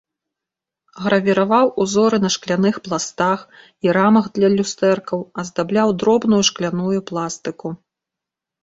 Гравіраваў узоры на шкляных пластах і рамах для люстэркаў, аздабляў дробную шкляную пластыку.